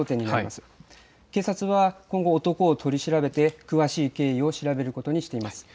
警察は今後、男を取り調べて詳しい経緯を調べることにしています。